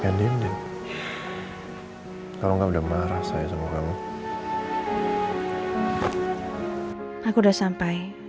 aku udah sampai